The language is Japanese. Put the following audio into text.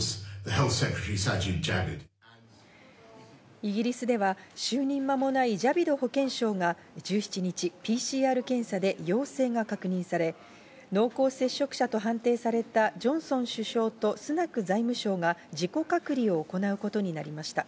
イギリスでは就任間もないジャビド保健相が１７日、ＰＣＲ検査で陽性が確認され、濃厚接触者と判定されたジョンソン首相とスナク財務相が自己隔離を行うことになりました。